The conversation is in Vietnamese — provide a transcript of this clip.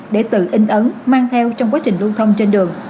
để tự in ấn mang theo trong quá trình lưu thông trên đường